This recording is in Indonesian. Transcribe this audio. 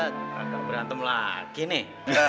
rangka berantem lagi nih